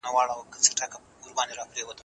زه له یوې میاشتې راهیسې تمرین کوم.